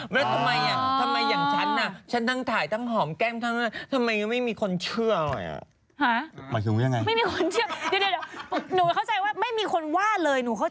เพื่อนแม่ก็ยังโอเคนี่เป็นเพื่อนพ่อเลยนะ